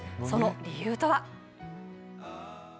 その理由とは。